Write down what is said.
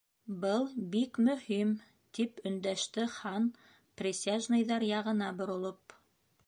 —Был бик мөһим, —тип өндәште Хан, присяжныйҙар яғына боролоп.